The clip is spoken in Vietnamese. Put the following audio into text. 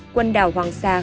quần đảo hoàng sa